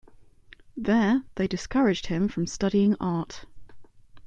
There, they discouraged him from studying art.